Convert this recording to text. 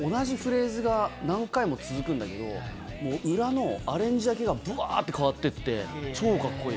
同じフレーズが何回も続くんだけど、裏のアレンジだけがぶわーって変わっていって、超かっこいい。